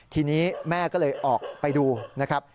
ทีนี้แม่ก็เลยออกไปดูนะครับ